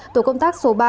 tổ công tác số ba